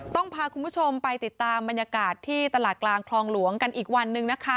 พาคุณผู้ชมไปติดตามบรรยากาศที่ตลาดกลางคลองหลวงกันอีกวันหนึ่งนะคะ